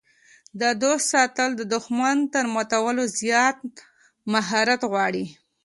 د دوست ساتل د دښمن تر ماتولو زیات مهارت غواړي.